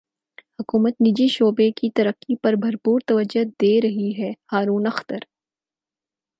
حکومت نجی شعبے کی ترقی پر بھرپور توجہ دے رہی ہے ہارون اختر